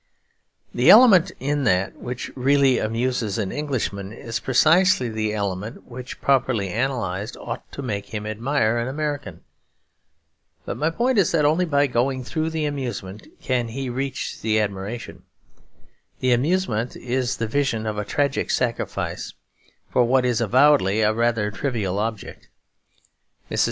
The element in that which really amuses an Englishman is precisely the element which, properly analysed, ought to make him admire an American. But my point is that only by going through the amusement can he reach the admiration. The amusement is in the vision of a tragic sacrifice for what is avowedly a rather trivial object. Mrs.